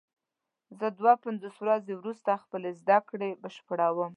زه دوه پنځوس ورځې وروسته خپلې زده کړې بشپړوم.